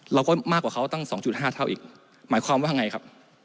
มากกว่าเขาตั้ง๒๕เท่าอีกหมายความว่าไงครับ